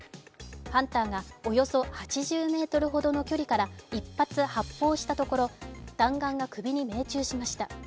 ハンターがおよそ８０ｍほどの距離から１発発砲したところ、弾丸が首に命中しました。